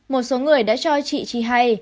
một số người đã cho chị chi hay